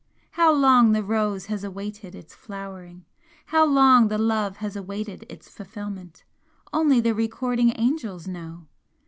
How long the rose has awaited its flowering how long the love has awaited its fulfilment only the recording angels know!